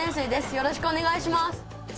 よろしくお願いします。